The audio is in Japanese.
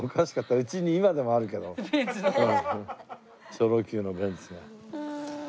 チョロＱのベンツが。